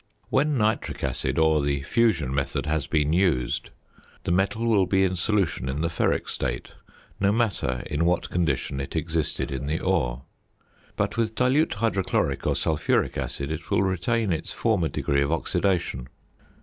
When nitric acid, or the fusion method, has been used, the metal will be in solution in the ferric state, no matter in what condition it existed in the ore. But with dilute hydrochloric or sulphuric acid it will retain its former degree of oxidation.